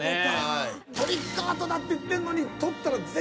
トリックアートだっていってんのに撮ったら全然。